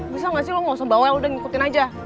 bisa gak sih lo mau sembahwa udah ngikutin aja